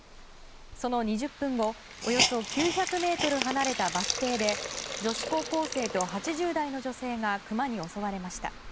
その２０分後およそ９００ｍ離れたバス停で女子高校生と８０代の女性がクマに襲われました。